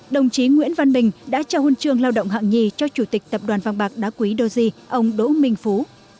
đồng chí nguyễn văn bình đã trao huân chương lao động hạng nhì cho chủ tịch tập đoàn vàng bạc đá quý đô chi ông đỗ minh phú